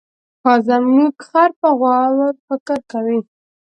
زموږ خر په غور فکر کوي.